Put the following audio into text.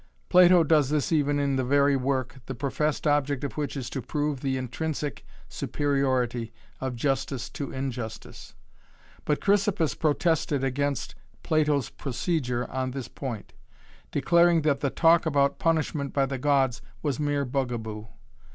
Plato does this even in the very work, the professed object of which is to prove the intrinsic superiority of justice to injustice. But Chrysippus protested against Plato's procedure on this point, declaring that the talk about punishment by the gods was mere 'bugaboo'.